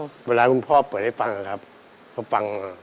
ครับเวลาคุณพ่อเปิดให้ฟังครับพ่อฟัง